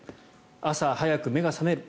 朝早く目が覚める。